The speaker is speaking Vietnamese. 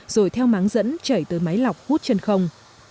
rồi theo máng dẫn chảy tới máy lọc hút chân không